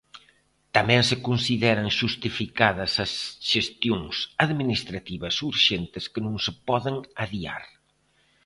Tamén se consideran xustificadas as xestións administrativas urxentes que non se poden adiar.